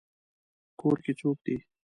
کور کې څوک دی؟